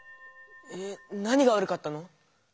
えっ何がわるかったの？